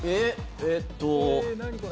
えっと。